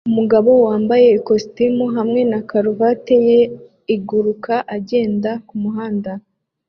Umugabo wambaye ikositimu hamwe na karuvati ye iguruka agenda kumuhanda